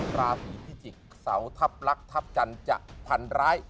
ราศีพิจิกษ์เสาทัพลักษณ์ทัพจันทร์จะพันร้าย